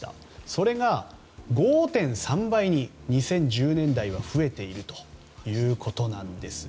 それが５．３倍に２０１０年代は増えているということです。